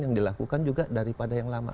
yang dilakukan juga daripada yang lama